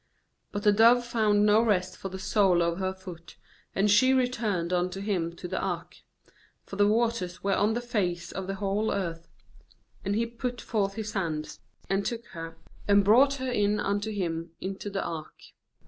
9But the dove found no rest for the sole of her foot, and she returned unto him to the ark, for the waters were on the face of the whole earth; and he put forth his hand, and took her, and brought her in unto him into the ark.